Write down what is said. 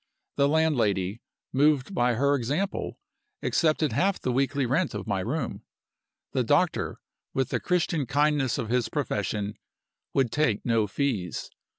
The landlady, moved by her example, accepted half the weekly rent of my room. The doctor, with the Christian kindness of his profession, would take no fees.